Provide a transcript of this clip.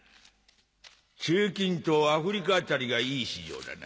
中近東アフリカ辺りがいい市場だな。